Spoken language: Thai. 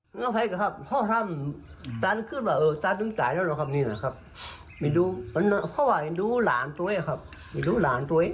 นี่คือพ่อเหรอ